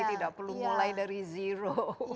tidak perlu mulai dari zero